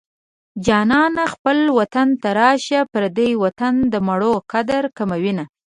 جانانه خپل وطن ته راشه پردی وطن د مېړو قدر کموينه